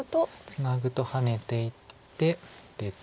ツナぐとハネていって出て。